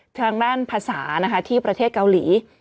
ทางด้านภาษานะคะที่ประเทศเกาหลี